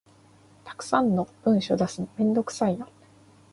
たくさんの文書出すのめんどくさいな